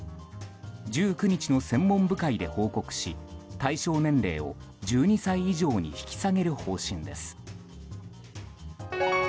１９日の専門部会で報告し対象年齢を１２歳以上に引き下げる方針です。